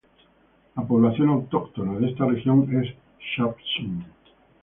La población autóctona de esta región es shapsug.